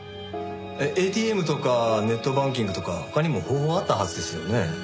ＡＴＭとかネットバンキングとか他にも方法はあったはずですよね？